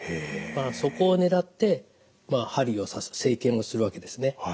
そこを狙って針を刺す生検をするわけですね。